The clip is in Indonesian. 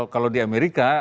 kalau di amerika